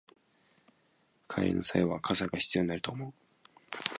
帰りの際は傘が必要になると思う